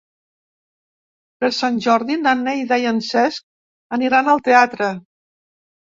Per Sant Jordi na Neida i en Cesc aniran al teatre.